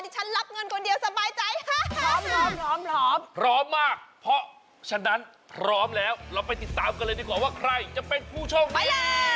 ที่ฉันรับเงินคนเดียวสบายใจ